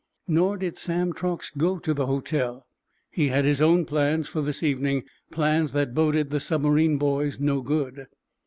Nor did Sam Truax go to the hotel. He had his own plans for this evening—plans that boded the submarine boys no good.